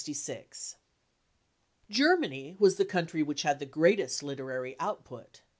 Germany was the country which had the greatest literary output.